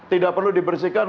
tidak perlu dibersihkan